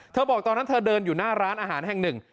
บอกตอนนั้นเธอเดินอยู่หน้าร้านอาหารแห่งหนึ่ง